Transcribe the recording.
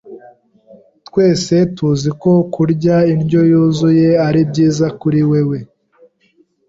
Twese tuzi ko kurya indyo yuzuye ari byiza kuri wewe.